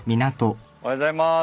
おはようございます。